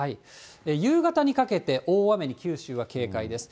夕方にかけて大雨に九州は警戒です。